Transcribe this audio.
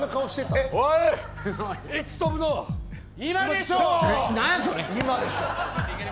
いつ跳ぶの、今でしょ。